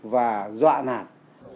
và dọa nạt